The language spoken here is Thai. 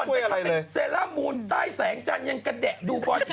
เออจิลลอทไปทำเป็นเซลล่าบูนใต้แสงจันทร์ยังกระแดะดูบอล